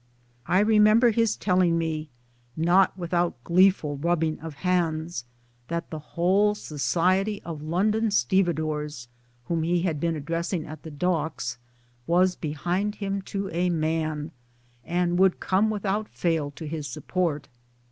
I remember his telling; me, not without gleeful rubbing of hands, PERSONALITIES [247 that the whole Society of London Stevedores '(whom he had been addressing at the Docks) was behind him to a man, and would come without fail to his support.